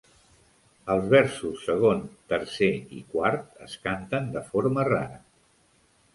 Els versos segon, tercer i quart es canten de forma rara.